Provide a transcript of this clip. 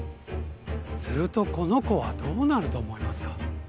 するとこの子はどうなると思いますか？